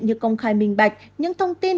như công khai minh bạch những thông tin